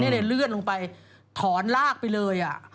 เลยเลื่อนลงไปถอนลากไปเลย